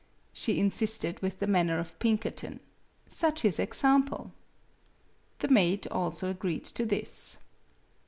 " she insisted, with the manner of Pinkerton such is example! The maid also agreed to this.